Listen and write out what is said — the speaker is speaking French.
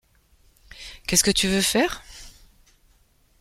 Qu'est-ce tu veux faire ?